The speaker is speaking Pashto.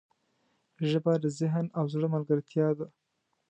ژبه د ذهن او زړه ملګرتیا ده